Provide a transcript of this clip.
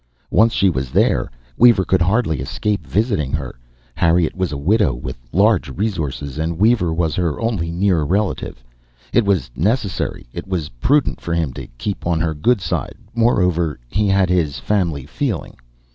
Once, she was there, Weaver could hardly escape visiting her. Harriet was a widow, with large resources, and Weaver was her only near relative. It was necessary, it was prudent, for him to keep on her good side. Moreover, he had his family feeling.